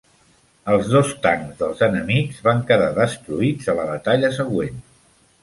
Els dos tancs dels enemics van quedar destruïts a la batalla següent.